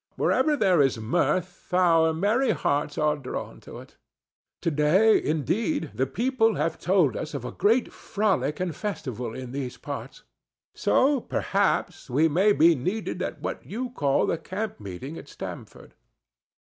Wherever there is mirth our merry hearts are drawn to it. To day, indeed, the people have told us of a great frolic and festival in these parts; so perhaps we may be needed at what you call the camp meeting at Stamford."